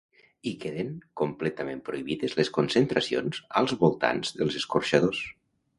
I queden completament prohibides les concentracions als voltants dels escorxadors.